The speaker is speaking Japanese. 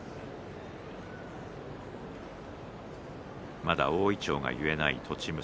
まだ大いちょうが結えていない栃武蔵。